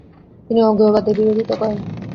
তিনি অজ্ঞেয়বাদ এর বিরোধিতা করেন।